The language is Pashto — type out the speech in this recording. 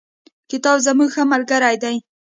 کتاب زموږ ښه ملگری دی.